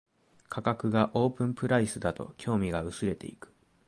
価格がオープンプライスだと興味が薄れていく